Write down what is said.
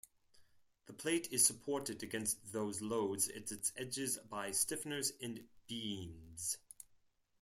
The plate is supported against those loads at its edges by stiffeners and beams.